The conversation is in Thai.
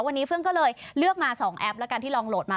วันนี้เฟื่องก็เลยเลือกมา๒แอปแล้วกันที่ลองโหลดมา